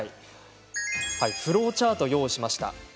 フローチャートを用意しました。